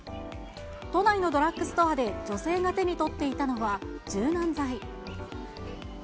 都内のドラッグストアで女性が手に取っていたのは、柔軟剤。